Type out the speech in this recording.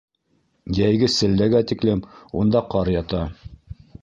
Йәйге селләгә тиклем унда ҡар ята.